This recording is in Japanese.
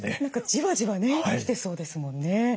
何かじわじわね来てそうですもんね。